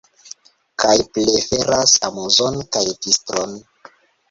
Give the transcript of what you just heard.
Kaj preferas amuzon kaj distron.